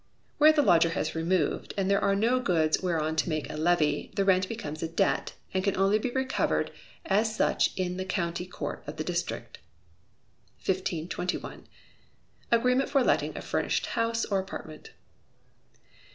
Where the lodger has removed, and there are no goods whereon to make a levy, the rent becomes a debt, and can only be recovered as such in the County Court of the district. 1521. _Agreement for Letting a Furnished House or Apartment.